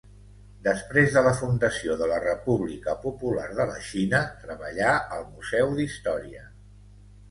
Després de la fundació de la República Popular de la Xina treballà al Museu d’Història.